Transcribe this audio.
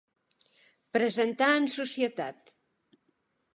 Presentar en societat.